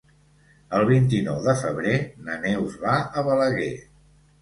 El vint-i-nou de febrer na Neus va a Balaguer.